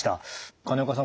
金岡さん